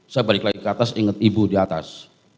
saya balik lagi ke atas ingat ibu di atas